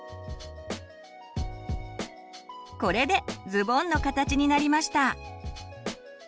これでズボンの形になりました。